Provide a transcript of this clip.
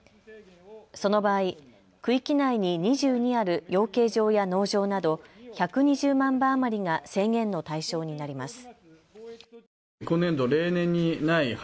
その場合、区域内に２２ある養鶏場や農場など１２０万羽余りが制限の対象になります。